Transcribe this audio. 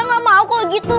nggak mau kok gitu